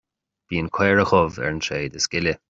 Bíonn caora dhubh ar an tréad is gile